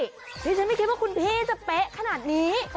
ดิฉันไม่คิดว่าคุณพี่จะเป๊ะขนาดนี้